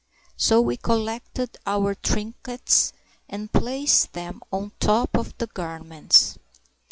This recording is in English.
So we collected our trinkets and placed them on top of the garments.